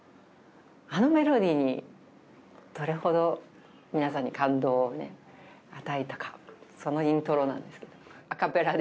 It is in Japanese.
あのメロディーどれほど皆さんに感動をね与えたかそのイントロなんですけどアカペラで。